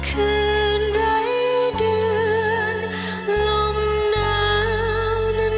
คืนไร้เดือนลมหนาวนั้น